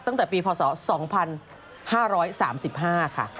ตั้งแต่ปีพศ๒๕๓๕ค่ะ